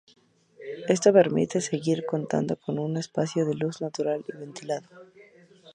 Esto permite seguir contando con un espacio de luz natural y ventilado.